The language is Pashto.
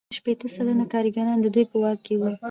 شپیته سلنه کارګران د دوی په واک کې وو